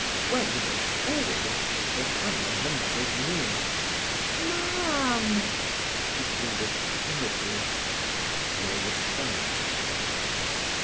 Gwen went forward and put her hand on her mother's knee. "Mam!" she pleaded timidly. No response.